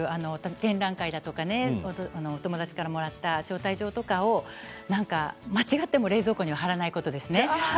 展覧会とかお友達からもらった招待状とかを間違っても冷蔵庫に貼らないことですね。